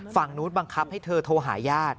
ฝั่งนู้นบังคับให้เธอโทรหาญาติ